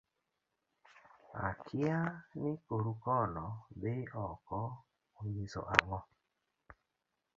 akia ni koru kono dhi oko onyiso ang'o